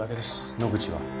野口は？